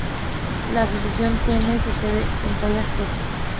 La asociación tiene su sede en Dallas, Texas.